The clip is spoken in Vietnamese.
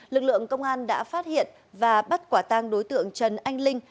lực lượng công an đã phát hiện và bắt quả tang đối tượng trần anh linh